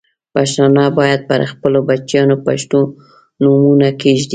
پښتانه باید پر خپلو بچیانو پښتو نومونه کښېږدي.